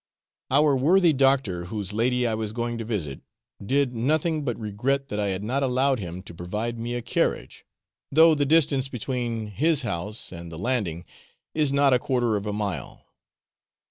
Our worthy doctor, whose lady I was going to visit, did nothing but regret that I had not allowed him to provide me a carriage, though the distance between his house and the landing is not a quarter of a mile.